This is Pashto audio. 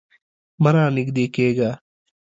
مه رانږدې کیږه